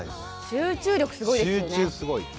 集中力すごいですよね。